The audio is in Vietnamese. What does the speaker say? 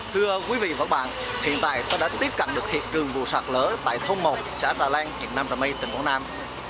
thưa quý vị và các bạn hiện tại tôi đã tiếp cận được hiện trường vụ sạt lở tại thôn một xã trà leng huyện nam trà my tỉnh quảng nam